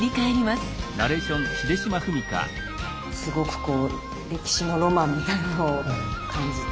すごくこう歴史のロマンみたいなのを感じて。